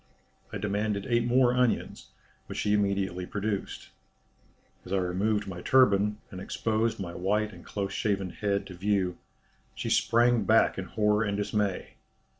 I demanded eight more onions, which she immediately produced. As I removed my turban, and exposed my white and close shaven head to view, she sprang back in horror and dismay.